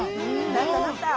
なったなった！